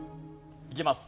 いきます。